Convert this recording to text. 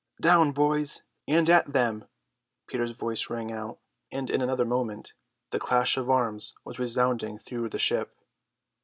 "Down, boys, and at them!" Peter's voice rang out; and in another moment the clash of arms was resounding through the ship.